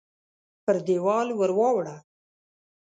پر دېوال ورواړوه !